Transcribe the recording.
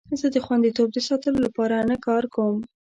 زه د خوندیتوب د ساتلو لپاره نه کار کوم.